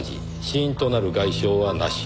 死因となる外傷はなし。